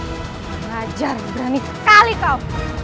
jangan ajar berani sekali kau